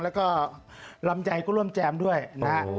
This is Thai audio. แล้วก็ลำไยก็ร่วมแจมด้วยนะฮะ